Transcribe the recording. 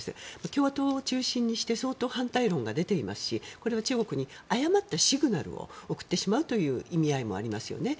共和党を中心にして相当反対論が出ていますしこれは中国に誤ったシグナルを送ってしまうという意味合いもありますよね。